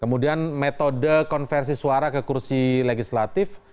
kemudian metode konversi suara ke kursi legislatif